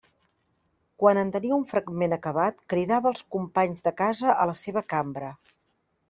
Quan en tenia un fragment acabat cridava els companys de casa a la seva cambra.